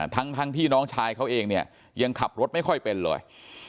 ทั้งที่น้องชายเขาเองเนี่ยยังขับรถไม่ค่อยเป็นเลย